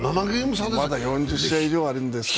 まだ４０試合以上あるんですから。